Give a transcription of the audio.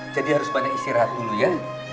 jadi harus banyak istirahat dulu ya